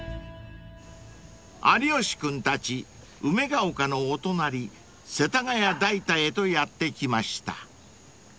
［有吉君たち梅丘のお隣世田谷代田へとやって来ました］